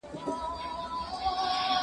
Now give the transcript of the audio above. کارګو الوتکې پټې ناستې کوي.